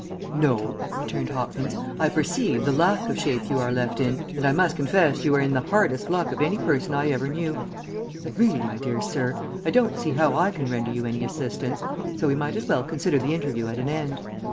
"No," returned Hopkins, "I perceive the lack of shape you are left in, and I must confess you are in the hardest luck of any person I ever knew; but really, my dear sir, I don't see how I can render you any assistance, so we might as well consider the interview at an end.